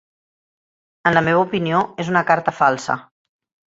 En la meva opinió és una carta falsa.